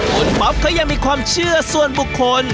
คุณป๊อปเขายังมีความเชื่อส่วนบุคคล